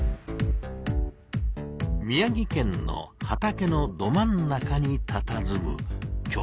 宮城県の畑のど真ん中にたたずむきょ大なしせつ。